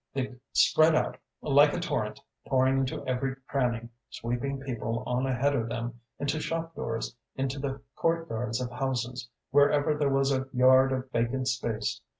They spread out like a torrent, pouring into every cranny, sweeping people on ahead of them, into shop doors, into the court yards of houses, wherever there was a yard of vacant space.